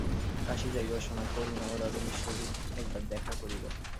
কাশী যাইবার সময় করুণা ও রজনীর সহিত একবার দেখা করিল।